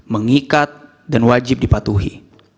mengikat dan wajib dipatuhi